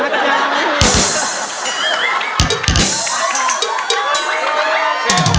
เพื่อจะไปชิงรางวัลเงินล้าน